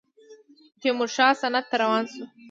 تیمورشاه سند ته روان شو.